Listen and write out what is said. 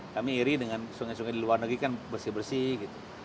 kami iri dengan sungai sungai di luar negeri kan bersih bersih gitu